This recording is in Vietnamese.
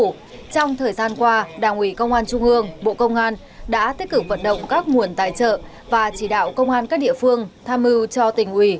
trong thời gian qua đảng ủy công an trung ương bộ công an đã tích cực vận động các nguồn tài trợ và chỉ đạo công an các địa phương tham mưu cho tỉnh ủy